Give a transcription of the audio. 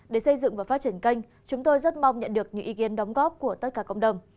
để xây dựng và phát triển kênh chúng tôi rất mong nhận được những ý kiến đóng góp của tất cả cộng đồng